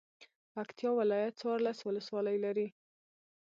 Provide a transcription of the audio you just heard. پکتيا ولايت څوارلس ولسوالۍ لری.